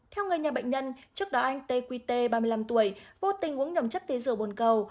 theo người nhà bệnh nhân trước đó anh tê quy tê ba mươi năm tuổi vô tình uống nhầm chất tây dừa bồn cầu